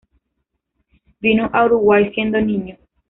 Vino a Uruguay siendo niño.